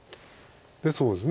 でそうです。